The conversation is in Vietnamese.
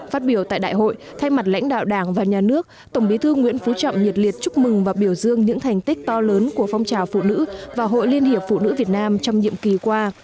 phát biểu tại đại hội thay mặt lãnh đạo đảng và nhà nước tổng bí thư nguyễn phú trọng nhiệt liệt chúc mừng và biểu dương những thành tích to lớn của phong trào phụ nữ và hội liên hiệp phụ nữ việt nam trong nhiệm kỳ qua